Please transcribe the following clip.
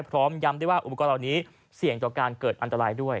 พร้อมย้ำได้ว่าอุปกรณ์เหล่านี้เสี่ยงต่อการเกิดอันตรายด้วย